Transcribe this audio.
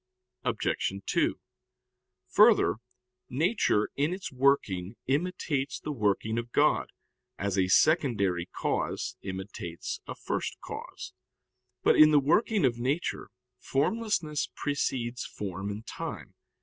Obj. 2: Further, nature in its working imitates the working of God, as a secondary cause imitates a first cause. But in the working of nature formlessness precedes form in time.